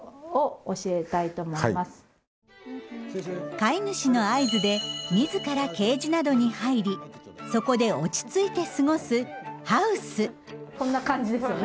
飼い主の合図で自らケージなどに入りそこで落ち着いて過ごすこんな感じですよね？